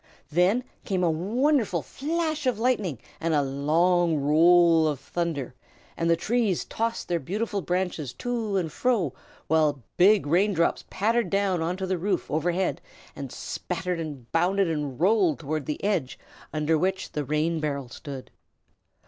Then came a wonderful flash of lightning and a long roll of thunder, and the trees tossed their beautiful branches to and fro, while big rain drops pattered down on to the roof overhead and spattered and bounded and rolled toward the edge under which the rain barrel stood.